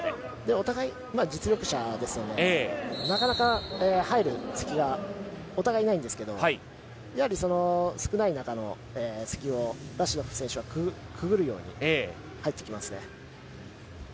お互い実力者ですのでなかなか入る隙がお互いないんですけど少ない中の隙をラシドフ選手はくぐるように入ってきますね。